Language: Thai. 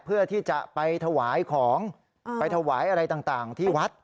เพื่อที่จะไปถวายของไปถวายอะไรต่างที่วัด